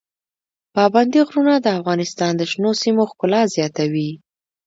پابندي غرونه د افغانستان د شنو سیمو ښکلا زیاتوي.